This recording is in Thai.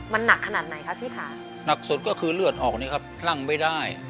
มันหนักขนาดไหนคะพี่ค่ะหนักสุดก็คือเลือดออกนี่ครับคลั่งไม่ได้